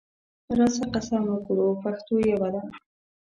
راسه قسم وکړو پښتو یوه ده